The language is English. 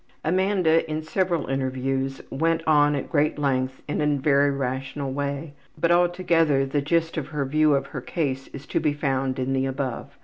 '' Amanda in several interviews went on at great length in a very rational way, but altogether the gist of her view of her case is to be found in the above.